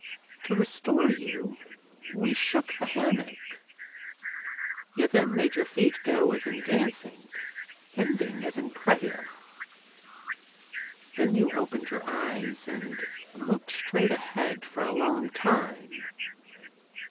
To restore you, we shook the hammock. You then made your feet go as in dancing, ending as in prayer. "Then you opened your eyes and looked straight ahead for a long time.